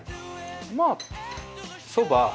まあそば。